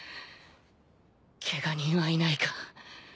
ケガ人はいないか。